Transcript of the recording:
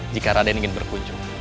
jika raden ingin berkunjung